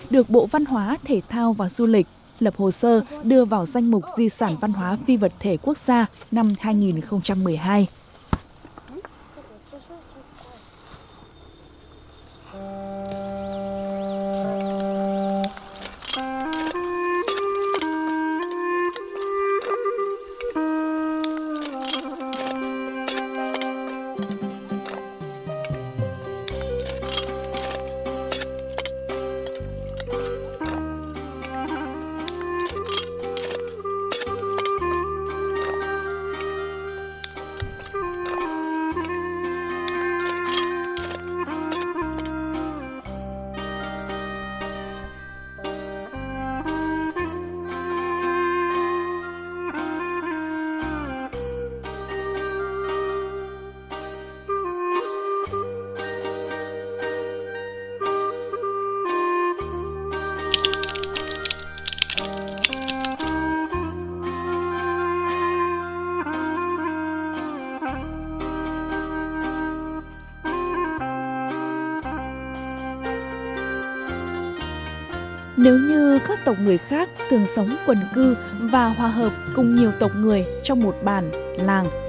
được bộ văn hóa thể thao và du lịch lập hồ sơ đưa vào danh mục di sản văn hóa phi vật thể quốc gia năm hai nghìn một mươi hai